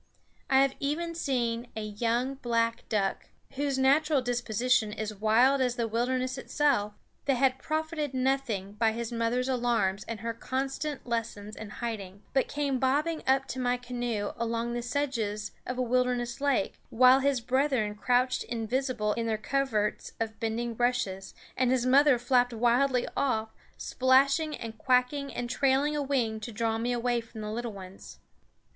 I have even seen a young black duck, whose natural disposition is wild as the wilderness itself, that had profited nothing by his mother's alarms and her constant lessons in hiding, but came bobbing up to my canoe among the sedges of a wilderness lake, while his brethren crouched invisible in their coverts of bending rushes, and his mother flapped wildly off, splashing and quacking and trailing a wing to draw me away from the little ones.